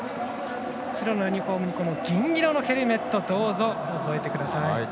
白のユニフォームに銀色のヘルメットをどうぞ、覚えてください。